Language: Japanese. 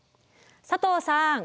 佐藤さん